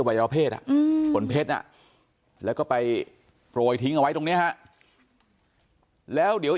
วัยวเพศขนเพชรแล้วก็ไปโปรยทิ้งเอาไว้ตรงนี้ฮะแล้วเดี๋ยว